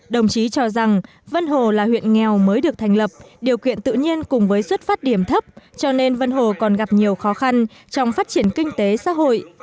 đồng chí cho rằng vân hồ là huyện nghèo mới được thành lập điều kiện tự nhiên cùng với xuất phát điểm thấp cho nên vân hồ còn gặp nhiều khó khăn trong phát triển kinh tế xã hội